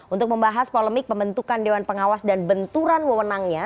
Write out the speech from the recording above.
untuk membahas polemik pembentukan dewan pengawas dan benturan wewenangnya